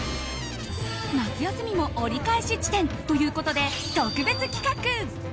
夏休みも折り返し視点ということで特別企画。